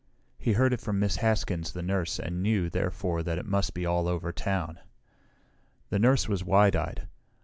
He heard it from Miss Haskins the nurse and knew, therefore, that it must be all over town. The nurse was wide eyed.